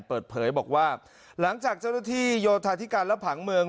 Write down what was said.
เปิดเผยบอกว่าหลังจากเจ้าหน้าที่โยธาธิการและผังเมือง